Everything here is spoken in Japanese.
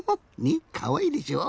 ねっかわいいでしょ？